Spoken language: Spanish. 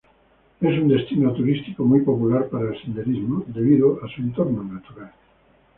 Es un destino turístico muy popular para el senderismo, debido a su entorno natural.